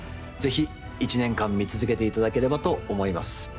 ぜひ１年間見続けていただければと思います。